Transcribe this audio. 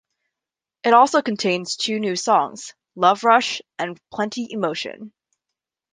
It also contains two new songs, "Love Rush" and "Plenty Emotion".